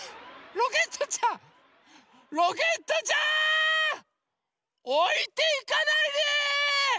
ロケットちゃん！おいていかないで！